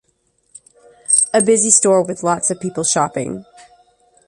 A busy store with lots of people shopping.